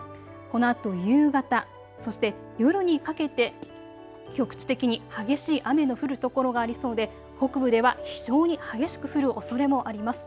このあと夕方、そして夜にかけて局地的に激しい雨の降る所がありそうで北部では非常に激しく降るおそれもあります。